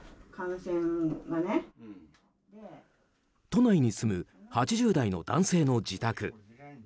都内に住む８０代の男性の自宅。